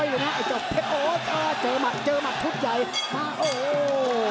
เหนือจอโหโอ้วเจอหมัดเจอหมัดทุกข์ใหญ่มาโอ้